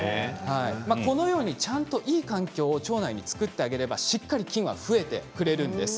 このようにちゃんといい環境を腸内に作ってあげればしっかり菌は増えてくれるんです。